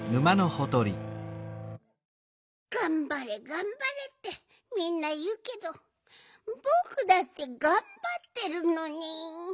がんばれがんばれってみんないうけどぼくだってがんばってるのに。